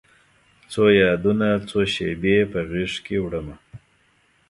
څو یادونه، څو شیبې په غیږکې وړمه